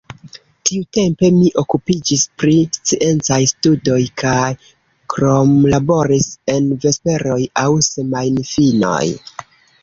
Tiutempe mi okupiĝis pri sciencaj studoj kaj kromlaboris en vesperoj aŭ semajnfinoj.